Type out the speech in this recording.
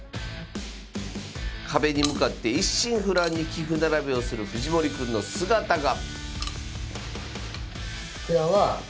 壁に向かって一心不乱に棋譜並べをする藤森くんの姿が。